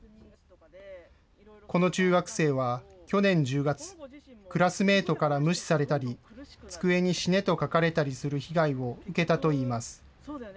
この中学生は去年１０月、クラスメートから無視されたり、机に死ねと書かれたりする被害を受けたといいます。